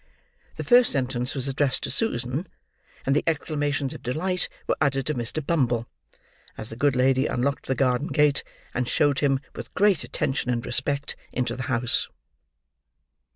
The first sentence was addressed to Susan; and the exclamations of delight were uttered to Mr. Bumble: as the good lady unlocked the garden gate: and showed him, with great attention and respect, into the house.